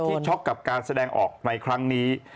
ช็อกกับการแสดงออกในครั้งนี้